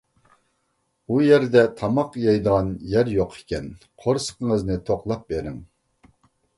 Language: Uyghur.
ئۇ يەردە تاماق يەيدىغان يەر يوق ئىكەن، قورسىقىڭىزنى توقلاپ بېرىڭ.